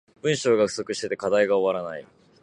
文章が不足してて課題が終わらない